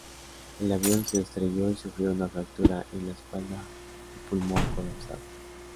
El avión se estrelló y sufrió una fractura en la espalda y pulmón colapsado.